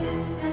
aku mau jalan